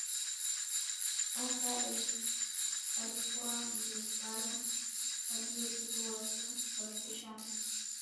Assa Aatte alikuwa Mlugbara aliyetibu watu kwa mitishamba